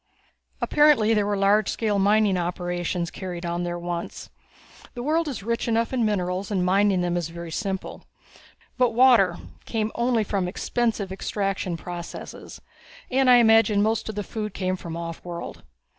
"Apparently there were large scale mining operations carried on there once; the world is rich enough in minerals and mining them is very simple. But water came only from expensive extraction processes and I imagine most of the food came from offworld.